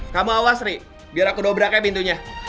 kamu awas ri biar aku dobra ke pintunya